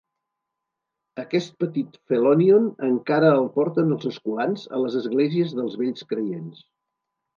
Aquest petit phelonion encara el porten els escolans a les esglésies dels Vells creients.